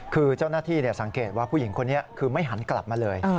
คือเจ้าหน้าที่สังเกตว่าผู้หญิงคนนี้คือไม่หันกลับมาเลย